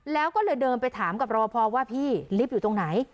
แล้วก็เลยเดินไปถามกับรอพอว่าพี่ลิฟต์อยู่ตรงไหน